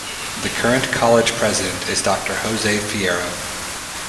The current college president is Doctor Jose Fierro.